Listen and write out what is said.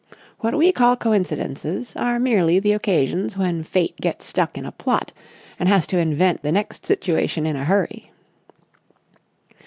What we call coincidences are merely the occasions when Fate gets stuck in a plot and has to invent the next situation in a hurry.